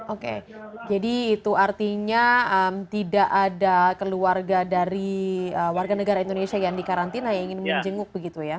oke jadi itu artinya tidak ada keluarga dari warga negara indonesia yang dikarantina yang ingin menjenguk begitu ya